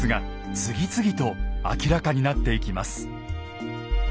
次々と明らかになっていきます。